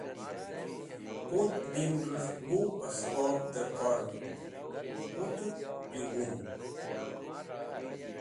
Put dinrẽs̃h bu esbob dẽrkor vitẽ, putẽt jẽgun.